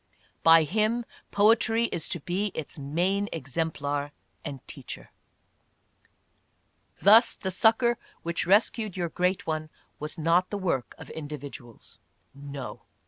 By him, poetry is to be its main exemplar and teacher. Thus the succor which rescued your great one was not the work of individuals, no